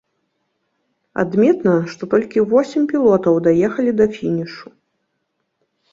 Адметна, што толькі восем пілотаў даехалі да фінішу.